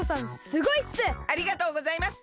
すごいっす！